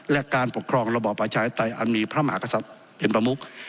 และการปกครองระบอบประชาธิปไตยอันมีพระมหากษัตริย์เป็นประมุก